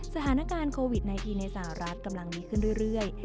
สถานการณ์โควิด๑๙ในสหรัฐกำลังดีขึ้นเรื่อย